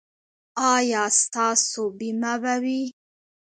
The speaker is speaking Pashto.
ایا ستاسو بیمه به وي؟